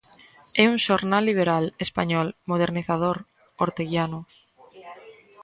É un xornal liberal, español, modernizador, orteguiano.